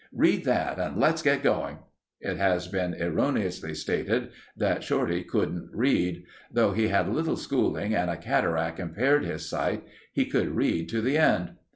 "Read that and let's get going." (It has been erroneously stated that Shorty couldn't read. Though he had little schooling and a cataract impaired his sight, he could read to the end.)